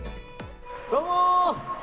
どうも。